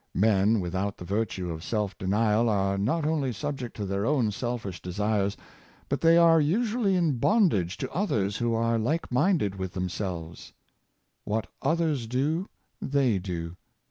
Men without the virtue of self denial are not only sub ject to their own selfish desires, but they are usually in bondage to others who are like minded with themselves. What others do, they do.